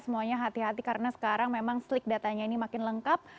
semuanya hati hati karena sekarang memang slik datanya ini makin lengkap